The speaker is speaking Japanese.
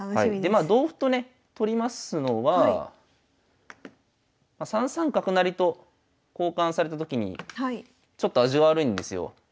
でまあ同歩とね取りますのは３三角成と交換されたときにちょっと味悪いんですよ。